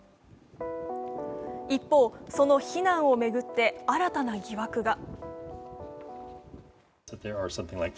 一方、その避難を巡って新たな疑惑が。